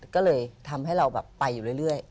ก็เลยทำให้เราแบบไปอยู่เรื่อย